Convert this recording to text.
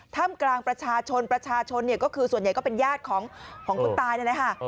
ถ้ำกลางประชาชนประชาชนประชาชนเนี่ยก็คือส่วนใหญ่ก็เป็นญาติของคนตายนั่นแหละค่ะ